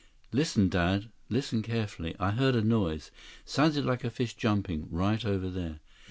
"Listen, Dad. Listen carefully. I heard a noise; sounded like a fish jumping. Right over there."